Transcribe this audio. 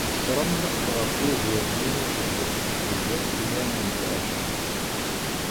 Tqeṣṣrem ɣef wugur-nni akked Zakiya n Tɛeccact.